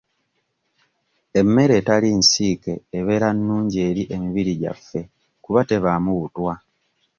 Emmere etali nsiike ebeera nnungi eri emibiri gyaffe kuba tebaamu butwa.